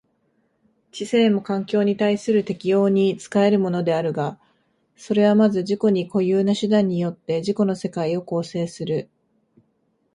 知性も環境に対する適応に仕えるものであるが、それはまず自己に固有な手段によって自己の世界を構成する。